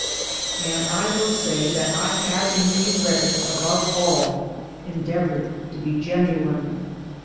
And I will say that I have in these records above all endeavored to be genuine.